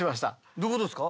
どういうことですか？